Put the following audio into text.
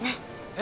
え？